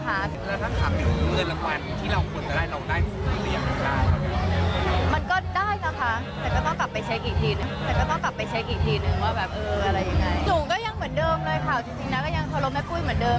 หนูก็ยังเหมือนเดิมเลยค่ะจริงนะก็ยังเคารพแม่ปุ้ยเหมือนเดิม